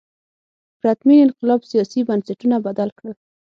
پرتمین انقلاب سیاسي بنسټونه بدل کړل.